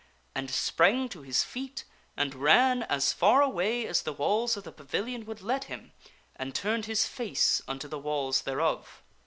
And sprang to his feet and ran as far away as the walls of the pavilion would let him, and turned his face unto the walls thereof.